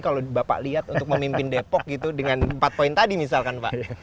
kalau bapak lihat untuk memimpin depok gitu dengan empat poin tadi misalkan pak